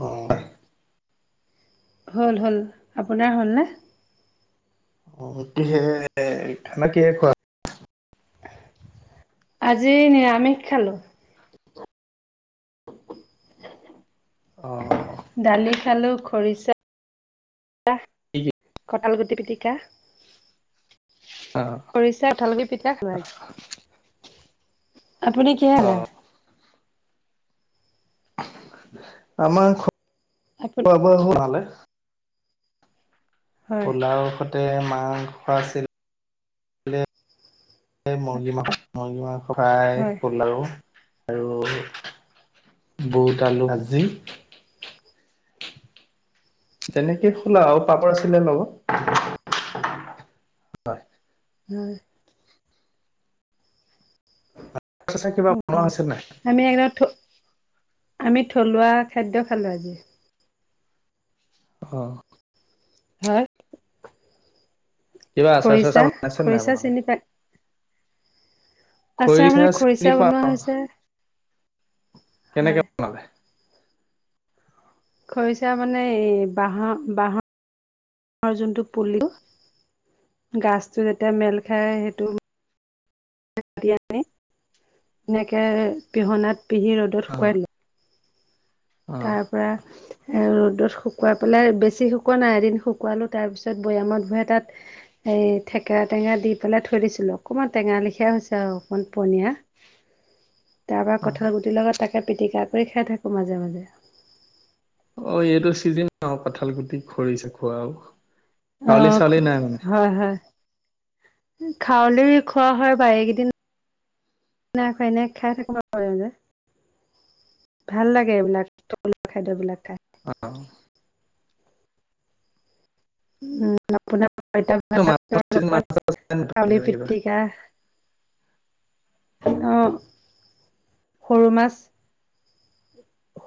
অ'। হ'ল হ'ল আপোনাৰ হ'ল নে? অ' [unintelligible] খোৱা। আজি নিৰামিষ খালোঁ। অ'। দালি খালোঁ খৰিচা [unintelligible] কঠাল গুটি পিটিকা অ', খৰিচা কঠাল গুটি পিঠিকা [unintelligible] আপুনি? কি খালা? আমাৰ আপোন হয় মোৰ খবৰ ভালে। হয় পোলাও সতে মাংস আছিল। মুৰ্গী মাংস মুৰ্গী মাংস খাই হয় শুল আৰু। আৰু বুট আলু ভাজি। তেনেকে খোলা আৰু পাপৰ আছিলে লগত। উম। আচাৰ চাচাৰ কিবা উম, বনোৱা উম। হৈছে নাই? আমি একদম থ আমি থলুৱা খাদ্য খালো আজি। অ'। হয়। কিবা আচাৰ খৰিচা চাচাৰ বনাইছে নে নাই খৰিচা আপোনালোকে। চিনি পাই আচাৰ খৰিচা মানে চিনি খৰিচা বনোৱা পাওঁ, হৈছে কেনেকে হয়। বনালে? খৰিচা মানে এই বাহঁৰ, বাঁহৰ, বাঁহৰ যোনটো পুলি গাজটো যেতিয়া মেল খায় সেইটো কাটি আনি এনেকে পিহনাত পিহি ৰ'দত অ', শুকাই দিলে- অ', তাৰ পৰা ৰ'দত শুকুৱাই পেলাই বেছি শুকোৱা নাই এদিন শুকোৱালো তাৰ পিছত বৈয়ামত ভৰাই তাত এই থেকৰা টেঙা দি পেলাই থৈ দিছিলোঁ অকণমান টেঙা লেখিয়া হৈছে আৰু অকণমান পনীয়া তাৰ পৰা অ', কঠাল গুটিৰ লগত তাকে পিটিকা কৰি খাই থাকো মাজে, মাজে অ', এইটো চিজিন কঁঠাল গুটি খৰিছা খোৱাৰ আৰু অ', হয়, হয় খাৱলি খোৱা হয় বা এইকেইদিন নাই খোৱা এনে খাই থাকো বাৰু মাজে, মাজে ভাল লাগে এইবিলাক থলুৱা খাদ্যবিলাক খাই অ'। উ আপোনাৰ পইতা কিবা ভাতৰ লগত আলু পিটিকা। অ', সৰু মাছ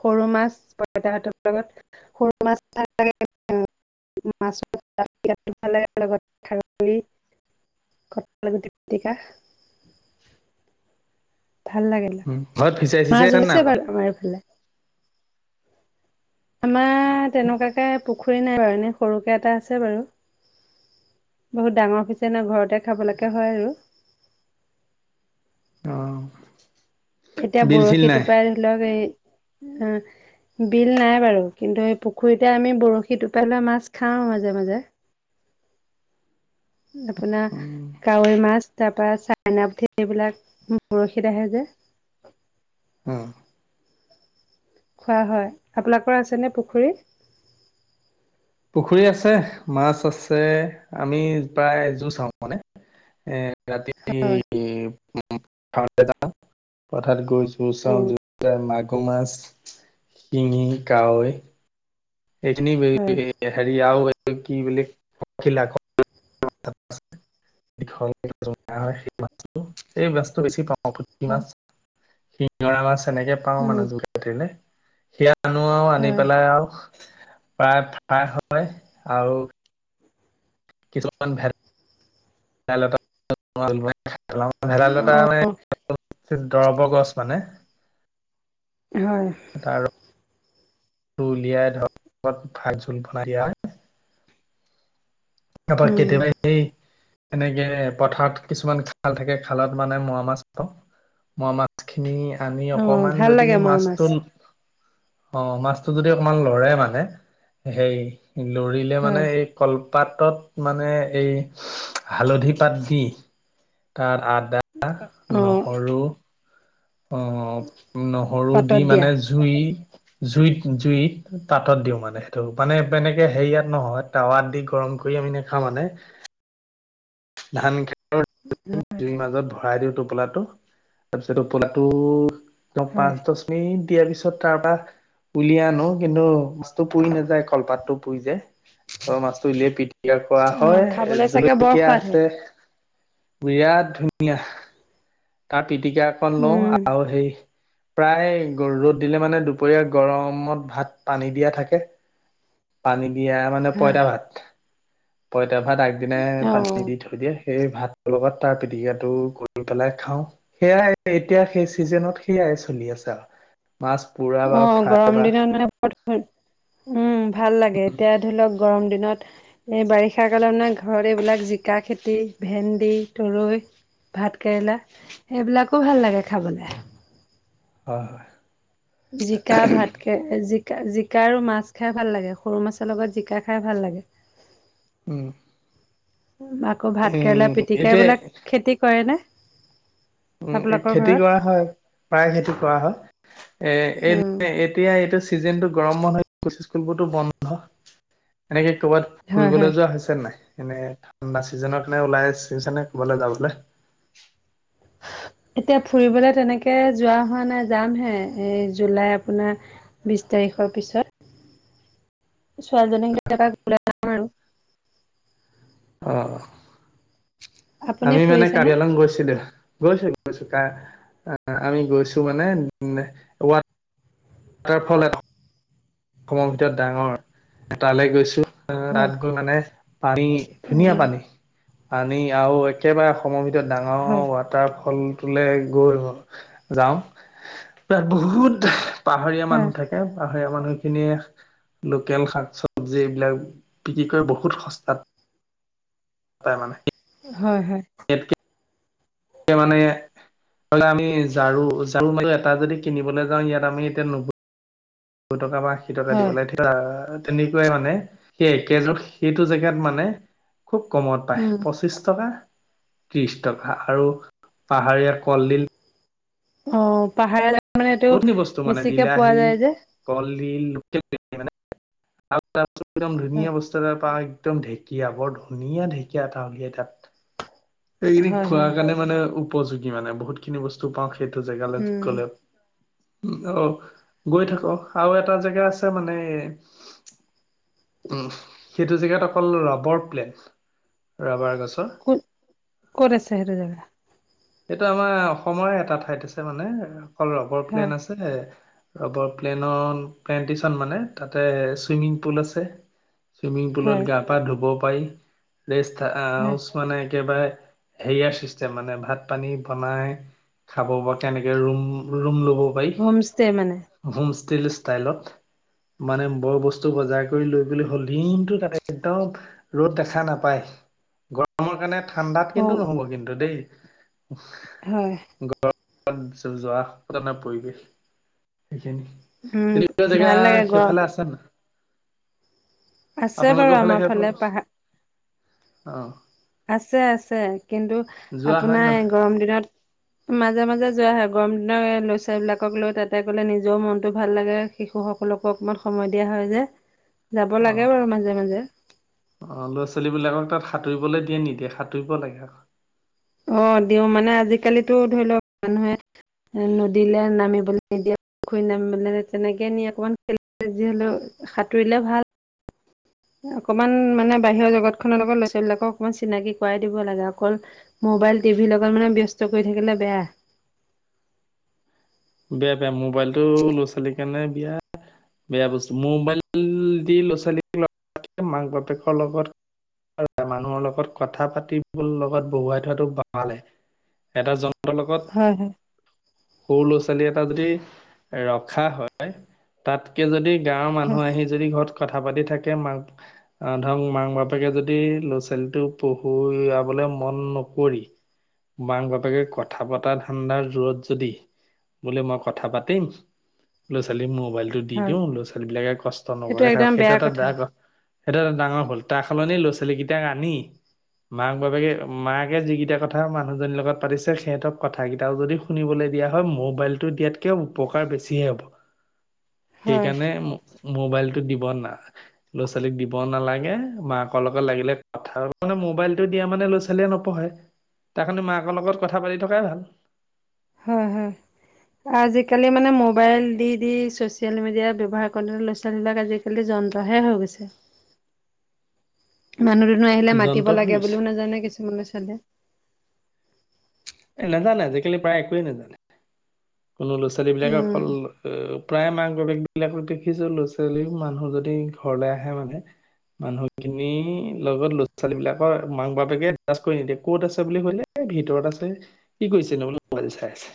সৰু মাছ পইতা ভাতৰ লগত সৰু মাছ মাছ ভাল লাগে লগত খাৰলি কঠাল গুটি পিটিকা ভাল লাগিল ঘৰত ফিচাৰি মাছ চিচাৰি আছে নাই ওলাইছে বাৰু আমাৰ এই ফালে আমাৰ তেনেকুৱাকে পু পুখুৰী নাই বাৰু এনেই সৰুকৈ এটা আছে বাৰু বহুত ডাঙৰ ফিছাৰি নাই ঘৰতে খাবলৈকে হয় আৰু। অ'। এতিয়া বৰশীটোপাই ধৰি লওক এ অ' বিল নাই বাৰু কিন্তু এই পুখুৰীতে আমি বৰশী টোপাই লৈ মাছ খাওঁ মাজে মাজে আপোনাৰ কাৱৈ মাছ তাৰ পা চাইনা পুঠি এইবিলাক বৰশীত আহে যে উম। হয় হয় আপোনালোকৰ আছেনে পুখুৰী? পুখুৰী আছে মাছ আছে আমি প্ৰায় জু চাওঁ মানে এ ৰাতি পথাৰলৈ যাও পথাৰত গৈ চাওঁ মাগুৰ মাছ শিঙি কাৱৈ এইখিনি হয় হেৰি আৰু এই কি বুলে কুকিলা স [unintelligible] এই মাছটো বেছি পাওঁ। পুঠি মাছ শিঙৰা মাছ এনেকে পাও উম মানে জাল পাতিলে সেয়া আনো আৰু আনি হয় পেলাই আৰু প্ৰায় ফ্ৰাই হয় আৰু কিছুমান ভে ভেদাইলতা ভেদাইলতা অ মানে দৰৱৰ গছ মানে হয়। তাৰ ৰসটো উলিয়াই ধৰক ভাত জোল বনাই দিয়া হয়। তাপা উম কেতিয়াবা এই এনেকে পথাৰত কিছুমান খাল থাকে খালত মানে মোৱা মাছ পাওঁ মোৱা মাছ মাছখিনি আনি অ অকমান ভাল যদি লাগে মোৱা মাছ মাছটো অ মাছটো যদি অকমান লৰে মানে সেই লৰিলে মানে হয় এই কলপাত ম অ নহৰু অ নহৰু পাতত দি দিয়া মানে জুই জুইত জুইত তাত দিওঁ মানে সেইটো মানে তেনেকে হেৰিয়াত নহয় টাৱাত দি গৰম কৰি আমি নাখা মানে ধান খৰ পিৰ মাজত ভই দিওঁ টোপোলাটো তাৰপিছত টোপোলটো এক হয় পচ দ দিয়াৰ পিছত তাৰ পৰা উলিয়াই আনো কিন্তু মাছটো পুৰি নাযায় কলপাততটো পুৰি যোয় মাছতটো উলিয়াই পিটিকা খোৱা অ হয় এ খাবলৈ চাগে বৰ জুলকীয়া সোৱাদ হয় আছে বিৰাট ধুনীয়া তাৰ পিটিকা একণ লওঁ উম আৰু সেই প্ৰায় ৰ'দ দিলে মানে দুপৰীয়া গৰমত ভাত পানী দিয়া থাকে পানী দিয়া মানে হয় পইতা ভাত পইতা ভাত আগদিনাই অ পানী দি থৈ দিয়ে সেই ভাতটোৰ লগত তাৰ পিটিকাটো গৰি পেলাই খাওঁ সেয়াই এতিয়া সেই চিজনত সেইয়াই চলি আছে আৰু মাছ পুৰা বা অ গৰম ফ্ৰাই বা দিনত উম ভাল লাগে এতিয়া ধৰি লওক গৰম দিনত এই বাৰিষা কালত মানে ঘৰত এইবিলাক জিকা খেতি ভেন্দি তৰৈ ভাত কেৰেলা এইবিলাকো ভাল লাগে খাবলৈ হয় হয় জিকা ভাত কে জিকা জিকা আৰু মাছ খাই ভাল লাগে সৰু মাছৰ লগত জিকা খাই ভাল লাগে উম আকৌ ভাত কেৰেলা উম পিতিকা এতিয়া এইবিলাক খেতি কৰেনে উম এই খেতি কৰা হয় প্ৰায় খেতি কৰা হয় এৰ উম, এই এতিয়া এইটো ছিজন টো গৰম হয় স্কুলবোৰতো বন্ধ এনেকে কৰ'বাত হয় হয়। ফুৰিবলৈ যোৱা হৈছে নাই এনে ঠাণ্ডা চিজনৰ কাৰনে ওলাই আহছে নে কৰবাললৈ যাবলৈ এতিয়া ফুৰিবলে তেনেকে যোৱা হোৱা নাই যাম হে এই জুলাই আপোনাৰ বিছ তাৰিখৰ পিছত ছোৱালীজনী কাক বলে অ আপুনি আমি মানে ফুৰিছেনে? কাৰ্বি আলং গৈছিলো গৈছো আহ আমি গৈছো মানে ৱাট টাৰ ফল এটা অসমৰ ভিতৰত ডাঙৰ তালৈ গৈছো আহ হয় তাত গৈ মানে পানী ধুনীয়া উম, পানী পানী আৰু একেবাৰে সময়ৰ ভিতৰত হয় ডাঙৰ ৱাটাৰ ফল ত গৈ যাওঁ তাত বহুত পাহাৰীয়া হয় মানুহ থাকে পাহাৰীয়া মানুহ খিনিয়ে লোকেল শাক চবজি এইবিলাক বিক্ৰী কৰি বহুত সস্তাত তাই মানে হয় হয় ইয়াতকে মানে আমি ঝাৰু ঝাৰু মান এটা যদি কিনিবলৈ যাওঁ ইয়াত আমি এতিয়া নুব দু টকা বা আশী টকািব হয়। ল থাকে এ তেনেকুৱাই মানে সেই এক সেইটো জেগাত মানে খুব কমত পায় উম, পঁচিশ টকা ত্ৰিশ টকা আৰু পাহাৰীয়া কলডিল অ', পাহাৰ মানে এইটো বেছিকে পোৱা যায় যে কল দিল, [unintelligible] একদম হয় ধুনীয়া বস্তু এটা পায়। একদম ঢেকীয়া, বৰ ধুনীয়া ঢেঁকীয়া এটা উলিয়াই তাত। এইেইখিনি হয় খোৱাৰ হয় কাৰণে, মানে উপযোগী মানে বহুত খিনি বস্তু পাওঁ। সেইটো জে গালে উম। গ'লে উ অ, গৈ থাকো, আৰু এটা জেগা আছে মানে সেইটো জেগাত অকল ৰাবৰ প্লেট ৰাবাৰ গছৰ ক কৰেৰে চহৰে জাগা এইটো আমাৰ, অসমৰে এটা ঠাইত আছে। মানে অকল ৰবৰ হয় প্লেন আছে। ৰবৰ প্লেনৰ প্লেনটেচন মানে তাতে চুইমিং পুল আছে। চুইমিং পুলত হয় গা পা ধুব পাৰি ৰেষ্ট আহ হয় মানে একেবাৰে হেৰিয়াৰ চিষ্টেম মানে ভাত পানী বনাই খাব পৰা কেনেকে ৰুম ৰুম ল'ব পাৰি হোম ষ্টে মানে হোম ষ্টিল ষ্টাইলত মানে, বৰ বস্তু বজাৰ কৰি লৈ বুলি হ'ল লিমটো তাতে একদম ৰ'দ দেখা নাপায় গৰমৰ কাৰণে ঠাণ্ডাত অ কিন্তু নহ'ব কিন্তু দেই অ', হয়। গৰমত যোৱা পৰিৱেশ সেইখিনি উম তেনেকুৱা জেগা ভাল লাগে গৰম সেইফালে আছে ন আছে বাৰু আপোনালোকৰ ভালে আমাৰ খ ফালে পাহাৰ অ, আছে। আছে। কিন্তু যোৱা হয় নহয় আপোনাৰ গৰম দিনত মাজে মাজে যোৱা হয়ে গৰম দিনৰ ল'ৰা ছোৱালী বিলাকক লৈ তাতে ক'লে নিজেও মনতটো ভাল লাগে। শিশুসকলকো অকণমান সময় দিয়া হয় যে, যাব অ লাগেও আৰু মাজে মাজে অ', ল'ৰা ছোৱালী বিলাকক তাত সাঁতুৰিবলৈ দিয়ে নিদিয়ে সাঁতুৰিব লাগে। [unintelligible] অ', দিওঁ মানে আজিকালিতো ধৰি লওক মানুহে নদীলৈ নামিবলে নিদিয়া পুখুৰ নামিলে তেনেকে নি অকমান খ যি হ'লেও সাঁতুৰিলে ভালপ অকমান মানে বাহিৰৰ জগত খনৰ লগত ল'ৰা ছোৱালীবলাকক অকমান চিনাকি কৰাই দিব লাগে অকল মোবাইল টিভিৰ লগত মানে ব্যস্ত কৰি থাকিলে বেয়া বেয়া, বেয়া মোবাইলটো ল'ৰা ছোৱালীৰ কাৰণে বিয়াপ বেয়া বস্তু মোবাইল দি ল'ৰা ছোৱালী লগ মাক বাপেকৰ লগত মানুহৰ লগত কথা পাতিব লগত বহুৱাই থোৱাটো বহালে এটা জন সিহঁতৰ লগত হয় হয় সৰু লপ এটা যদি ৰখা হয় তাতকে যদি গাঁৱৰ হয়। মানুহ আহি যদি ঘৰত কথা পাতি থাকে মাক আহ ধৰক মাক বাপেকে যদি ল'ৰা ছোৱালীটো পঢ়াবলে মন নকৰি। মাক বাপেকে কথা পতৰা ধান্দাৰ জোৰত যদি বোলে মই কথা পাতিম লৰা ছোৱালী মল দি হয়, দিওঁ ল'ৰা ছোৱালী বিলাকে কষ্ট নকৰাকে থাকক সেইটো এটা বেয়া সেইটো এটা ডাঙৰ ভুল তাৰ সলনি ল'ৰা ছোৱালীকেইটাক আনি মাক বাবেকে মাকে যিকেইটা কথা মানুহজনীৰ লগত পাতিছে সিহঁতক কথথাাকেইটাও যদি শুনিবলৈ দিয়া হয় মোৰ মোবাইলতটো দিয়াতকে উপকাৰ বেছিহে হ'ব হয়। সেইকাৰণে মোবাইলতটো দিব না ল'ৰাোৱালীক দিব নালাগে। মাকৰ লগত লাগিলে কথা মানে মোবাইলতটো দিয়া মানে ল'ৰাোৱালীয়ে ন পঢ়ে তাৰ কাৰণে মাকৰ লগত কথা পাতি থকাই ভাল হয়, হয়। আজিকালি মানে মোবাইল দি দি ছচিয়েল মিডিয়া ব্যৱহাৰ কৰেলে ল'ৰা ছোৱালী বিলিলাক আজি জালি যন্ত্ৰহে হৈ গৈছে মানহ ধনু আহিলে মাতি যন্ত্ৰ হৈ লাগে গৈছে বুলিও নাজানে কিছুমানলৈ চালে এ নাজানে আজিকালি প্ৰায় একোৱে নাজানে কোনো ল'ৰা ছোৱালী বিলাকে উম অকল প্ৰায় মাক বকী বিলাক দেখিছো ল'ৰা ছোৱালী মানুহ যদি ঘৰলে আহে মানে মানুহখিনি লগত ল'ৰা ছোৱালী বিলাকৰ মাক বাপেকে এড্ৰাষ্ট কৰি নিদিয়ে ক'ত আছে বুলি ক'লে এই ভিতৰত আছে। কি কৰিছে নো বোলো ম'বাইল চাই আছে।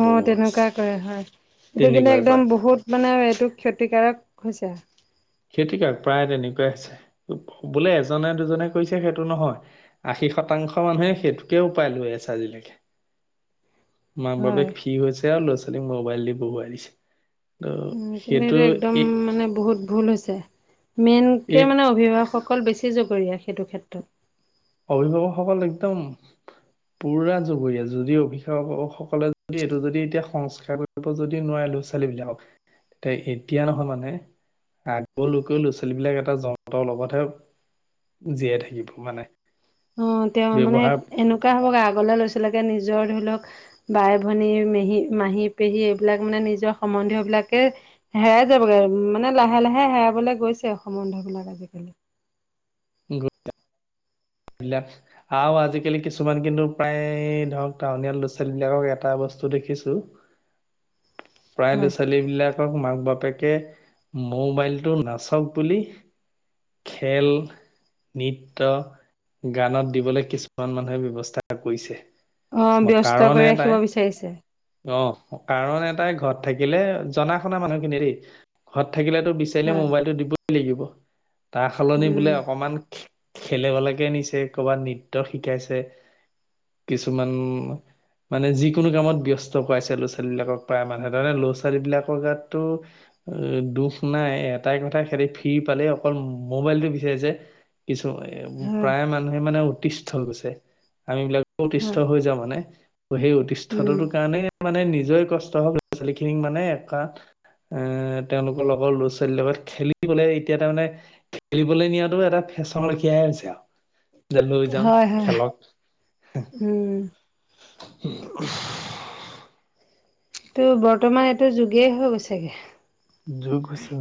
অ, বছ তেনেকুৱা কৰে হয়। সেইটো কিন্তু তেনেকুৱাই কয় একদম বহুত মানে এইটো ক্ষতিকাৰক হৈছে। ক্ষতি কাৰক প্ৰায় তেনেকুৱাই হৈছে। বোলে এজনে দুজনে কৈছে সেইটো নহয়। আশী শতাংশ মানুহে সেইটোকে উপায় লৈ আছে আজিলৈকে। মাক হয়। বাপেক ফি হৈছে আৰু ল'ৰা ছোৱালীক ম'বাইল দি বহুৱাই দিছে। আৰু উম, কিন্তু সেইটো একদম এ মানে বহুত ভুল হৈছে। মেইন কে এই মানে অভিভাৱকভ সকল বেছি জগৰীয়া সেইটো ক্ষেত্ৰত। অভিভাৱক সকল একদম। পুৰা জগুৰীয়া। যদি অভিভাৱক সকলে যদি, এইটো যদি এতিয়া সংস্কাৰ। যদি নোৱাৰে ল'ৰা ছোৱালীবিলাকক তে এতিয়া নহয় মানে। আগলৈকে ল'ৰা ছোৱালী বিলাক এটা যন্তৰ লগতহে জীয়াই থাকিব মানে। অ, তেওঁ মানে ব্যৱহাৰ এনেকুৱা হ'ব আগলে ল'ৰা ছোৱালী বিলাকে নিজৰ ধৰি লওক। বাই, ভনী, মেহি, মাহী, পেহী এইবিলাক মানে নিজৰ সম্বন্ধীয় বিলাকে হেৰাই যাবগৈ। মানে লাহে লাহে হেৰাইবলৈ গৈছে সমন্ধ বিলাক আজিকালি। [inaudible] [inaudible] আৰু আজিকালি কিছুমান কিন্তু প্ৰায় ধৰক টাউনীয়া ল'ৰা-ছোৱালী বিলাকক এটা বস্তু দেখিছো, প্ৰায় ল'ৰা- হয়। ছোৱালী বিলাক। মাক বাপেকে মোৰ ম'বাইলটো নাচাওক বুলি। খেল নৃত্য। গানত দিবলৈ কিছুমান মানুহে ব্যবস্থা কৰিছে। অ', মই ব্যস্ত কাৰণ কৰি এটাই ৰাখিব বিচাৰিছে। অ, কাৰণ এটাই ঘৰত থাকিলে জনা শুনা মানুহখিনি দেই, ঘৰত থাকিলেতো বিচাৰিলে হয়, ম'বাইলতটো দিবই লাগিব। তাৰ সলনি বোলে উম, অকনমান খেলিব লেকে নিছে। ক'বাত নৃত্য শিকাইছে। কিছুমান মানে যিকোনো কামত ব্যস্ত কৰাইছে ল'ৰা ছোৱালী বিলাকক। প্ৰায় মানুহে তাতে ল'ৰা ছোৱালী বিলাকৰ গাততো এ দুখ নাই এটাই কথা খেতি ফ্ৰী পালেই অকল ম'বাইলটো বিচাৰে যে। কিছু হয়, প্ৰায় মানুহে মানে অতিষ্ঠ গৈছে। আম বিলাক। হয়। অতিষ্ঠ হৈ যা মানে, ত সেই অতিষ্ঠৰ উম, কাৰণে মানে নিজৰে কষ্ট হওঁক। ল'ৰা ছোৱালী খিনিক মানে একাট এ তেওঁলোকৰ লগৰ ল'ৰা ছোৱালীৰ লগত খেলিবলে, এতিয়া তাৰ মানে খেলিবলৈ নিয়াটো এটা ফেশ্বন লখিয়াই হৈছে আৰু। যে লৈ যাওঁ হয়-হয়। খেলক উম, [inaudible] এইটো বৰ্তমান এইটো যোগেই হৈ গৈছেগে। যোগ হৈছে।